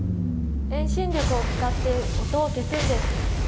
遠心力を使って音を消すんです。